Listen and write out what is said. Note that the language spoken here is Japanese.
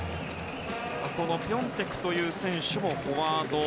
ピョンテクという選手もフォワード。